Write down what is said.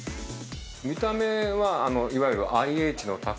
見た目はいわゆるＩＨの卓上。